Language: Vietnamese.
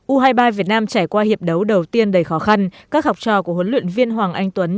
u hai mươi ba việt nam trải qua hiệp đấu đầu tiên đầy khó khăn các học trò của huấn luyện viên hoàng anh tuấn